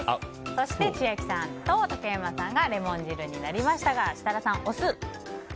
そして千秋さんと竹山さんがレモン汁になりましたが設楽さん、お酢。